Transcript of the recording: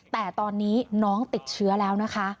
แต่ตอนนี้น้องติดเชื้อแล้วนะคะ